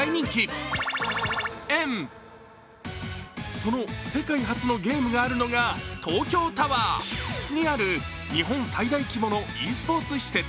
この世界初のゲームがあるのが東京タワーにある日本最大規模のｅスポーツ施設。